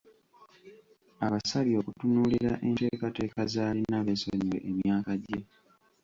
Abasabye okutunuulira enteekateeka z'alina beesonyiwe emyaka gye.